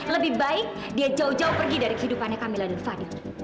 lebih baik dia jauh jauh pergi dari kehidupannya kami ladul fadil